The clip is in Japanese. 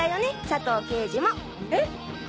佐藤刑事もえっ？